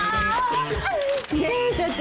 ねえ社長！